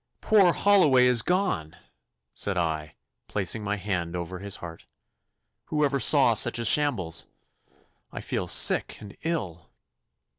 'Poor Holloway is gone,' said I, placing my hand over his heart. 'Who ever saw such a shambles? I feel sick and ill.